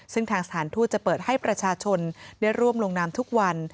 ซึ่งทางสถานทูตจะเปิดให้ประชาชนได้ร่วมลงนามทุกวัน